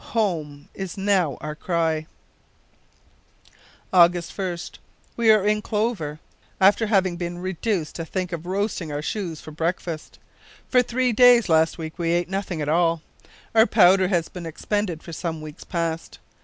home! is our cry now. "August 1st. We are now in clover, after having been reduced to think of roasting our shoes for breakfast. For three days last week we ate nothing at all. Our powder has been expended for some weeks past.